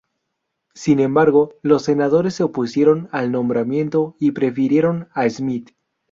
Sin embargo, los senadores se opusieron al nombramiento y prefirieron a Smith.